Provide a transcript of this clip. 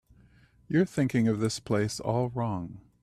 You're thinking of this place all wrong.